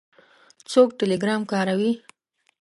څوک ټیلیګرام کاروي؟